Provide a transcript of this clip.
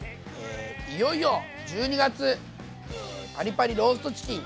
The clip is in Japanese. いよいよ１２月パリパリローストチキン！